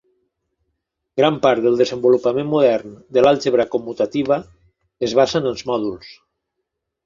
Gran part del desenvolupament modern de l'àlgebra commutativa es basa en els mòduls.